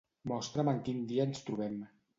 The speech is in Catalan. Mostra'm en quin dia ens trobem.